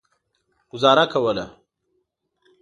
ګوزاره کوله.